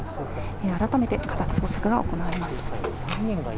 改めて家宅捜索が行われます。